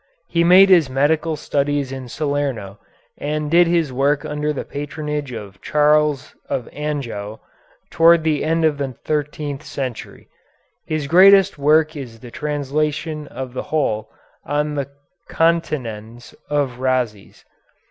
He made his medical studies in Salerno and did his work under the patronage of Charles of Anjou towards the end of the thirteenth century. His greatest work is the translation of the whole of the "Continens" of Rhazes.